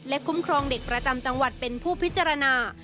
คุ้มครองเด็กประจำจังหวัดเป็นผู้พิจารณา